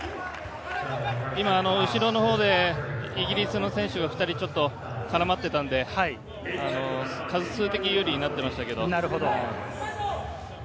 後ろのほうでイギリスの選手が２人ちょっと絡まっていたので、数的有利になっていましたが。